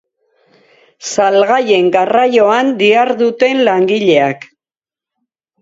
Salgaien garraioan diharduten langileak.